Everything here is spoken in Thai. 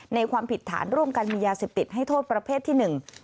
ความผิดฐานร่วมกันมียาเสพติดให้โทษประเภทที่หนึ่ง